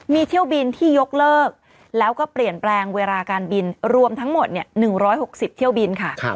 มีเที่ยวบินที่ยกเลิกแล้วก็เปลี่ยนแปลงเวลาการบินรวมทั้งหมด๑๖๐เที่ยวบินค่ะ